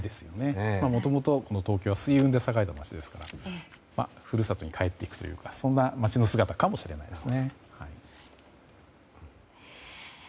もともとの東京は水運で栄えていましたから故郷に帰っていくというかそんな街の姿かもしれません。